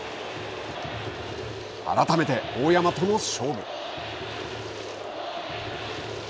改めて大山との勝負。